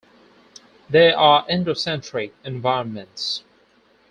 They are endocentric environments.